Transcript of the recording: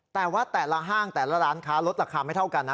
แต่ว่าแต่ละห้างแต่ละร้านค้าลดราคาไม่เท่ากันนะ